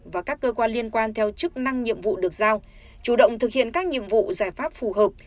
và các cơ quan liên quan theo chức năng nhiệm vụ được giao chủ động thực hiện các nhiệm vụ giải pháp phù hợp